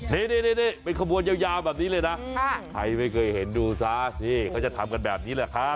นี่เป็นขบวนยาวแบบนี้เลยนะใครไม่เคยเห็นดูซะนี่เขาจะทำกันแบบนี้แหละครับ